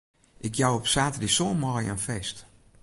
Ik jou op saterdei sân maaie in feest.